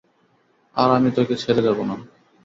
আর আমি তোকে ছেড়ে যাবো না।